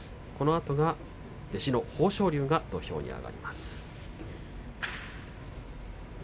このあと、弟子の豊昇龍が土俵に上がります。